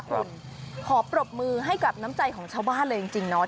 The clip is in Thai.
คุณขอปรบมือให้กับน้ำใจของชาวบ้านเลยจริงเนาะ